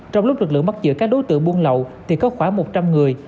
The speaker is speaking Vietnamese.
trong lúc lực lượng bắt giữ các đối tượng buôn lậu thì có khoảng một trăm linh người